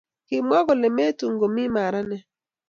kimwa kole metun komi maranet